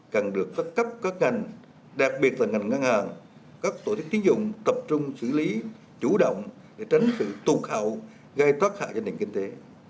cần được các cấp các ngành đặc biệt là ngành ngân hàng các tổ chức tiến dụng tập trung xử lý chủ động để tránh sự tụt hậu gây tác hại cho nền kinh tế